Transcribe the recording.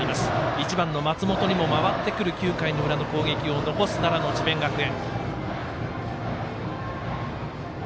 １番の松本にも打順が回ってくる９回の裏の攻撃を残す奈良の智弁学園。